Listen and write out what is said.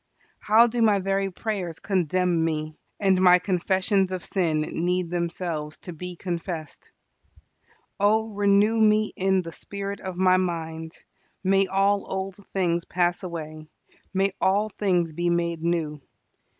How do my very prayers condemn me; and my confessions of sin need themselves to be confessed! Oh renew me in the spirit of my mind. May all old things pass away; may all things be made new.